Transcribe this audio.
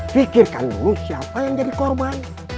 pikirkan dulu siapa yang jadi korban